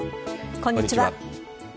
こんにちは。